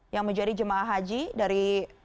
yang menjadi jemaah haji dari